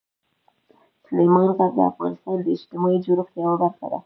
سلیمان غر د افغانستان د اجتماعي جوړښت یوه برخه ده.